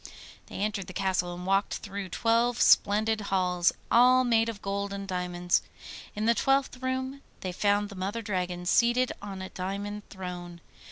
They entered the castle and walked through twelve splendid halls, all made of gold and diamonds. In the twelfth room they found the Mother Dragon seated on a diamond throne.